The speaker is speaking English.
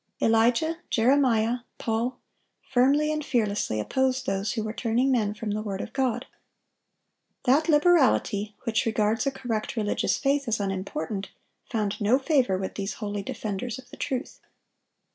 Elijah, Jeremiah, Paul, firmly and fearlessly opposed those who were turning men from the word of God. That liberality which regards a correct religious faith as unimportant, found no favor with these holy defenders of the truth.